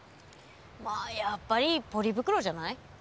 まあやっぱりポリ袋じゃない？